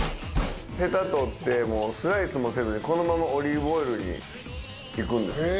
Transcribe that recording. ヘタ取ってもうスライスもせずにこのままオリーブオイルにいくんですよ。